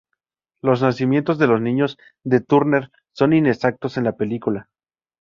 Los nacimientos de los dos niños de Turner son inexactos en la película.